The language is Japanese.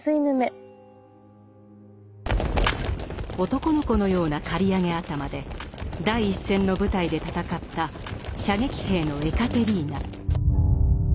男の子のような刈り上げ頭で第一線の部隊で戦った射撃兵のエカテリーナ。